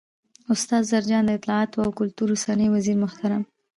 ، استاد زرجان، د اطلاعات او کلتور اوسنی وزیرمحترم